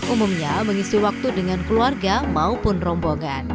umumnya mengisi waktu dengan keluarga maupun rombongan